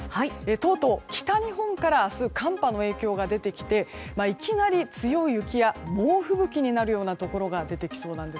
とうとう北日本から明日、寒波の影響が出てきていきなり強い雪や猛吹雪になるところが出てきそうです。